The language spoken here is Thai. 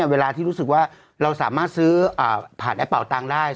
เวลาที่รู้สึกว่าเราสามารถซื้อผ่านแอปเป่าตังค์ได้